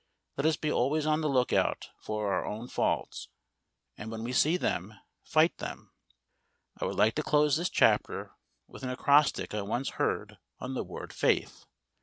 Let us be always on the look out for our own faults, and when we see them, fight them. I would like to close this chapter with an acrostic I once heard on the word "Faith."